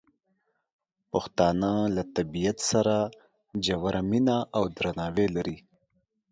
پښتانه له طبیعت سره ژوره مینه او درناوی لري.